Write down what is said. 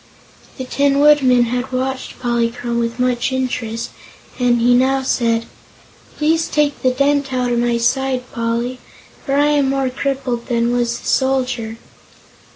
The Tin Woodman had watched Polychrome with much interest, and he now said: "Please take the dent out of my side, Poly, for I am more crippled than was the Soldier."